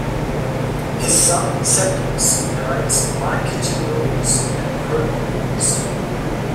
His son Septimus narrates "My Kitchen Rules" and "Robot Wars".